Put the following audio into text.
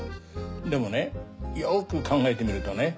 でもねよく考えてみるとね